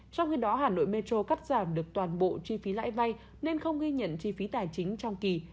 trong khi đó hà nội metro cắt giảm được toàn bộ chi phí lãi vay nên không ghi nhận chi phí tài chính trong kỳ